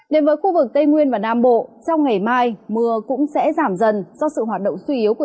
đến với khu vực tây nguyên và nam bộ trong ngày mai mưa cũng sẽ giảm dần do sự hoạt động suy yếu của